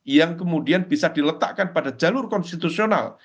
yang kemudian bisa diletakkan pada jalur konstitusional